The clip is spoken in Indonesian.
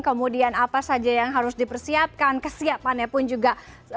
kemudian apa saja yang harus dipersiapkan kesiapannya pun juga